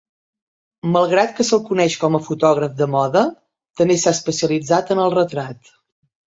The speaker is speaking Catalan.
Malgrat que se'l coneix com a fotògraf de moda, també s'ha especialitzat en el retrat.